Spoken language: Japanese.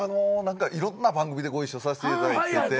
いろんな番組でご一緒させていただいてて。